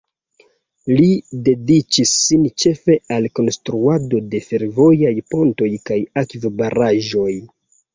Li dediĉis sin ĉefe al konstruado de fervojaj pontoj kaj akvobaraĵoj.